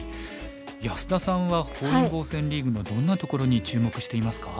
安田さんは本因坊戦リーグのどんなところに注目していますか？